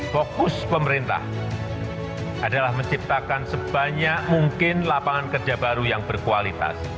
fokus pemerintah adalah menciptakan sebanyak mungkin lapangan kerja baru yang berkualitas